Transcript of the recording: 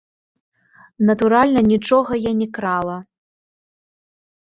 Натуральна, нічога я не крала.